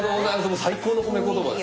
もう最高の褒め言葉です。